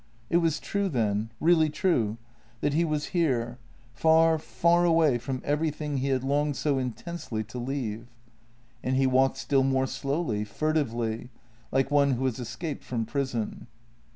It was true, then — really true — that he was here, far, far away from everything he had longed so JENNY 15 intensely to leave. And he walked still more slowly, furtively, like one who has escaped from prison.